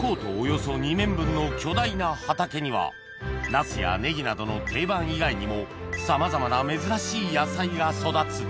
巨大な畑にはナスやネギなどの定番以外にもさまざまな珍しい野菜が育つ